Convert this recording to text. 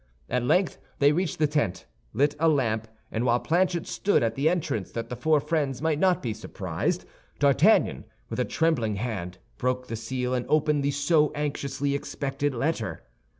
At length they reached the tent, lit a lamp, and while Planchet stood at the entrance that the four friends might not be surprised, D'Artagnan, with a trembling hand, broke the seal and opened the so anxiously expected letter.